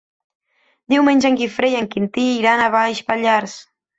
Diumenge en Guifré i en Quintí iran a Baix Pallars.